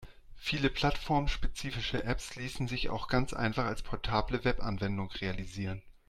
Viele plattformspezifische Apps ließen sich auch ganz einfach als portable Webanwendung realisieren.